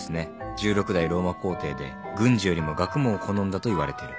１６代ローマ皇帝で軍事よりも学問を好んだといわれてる。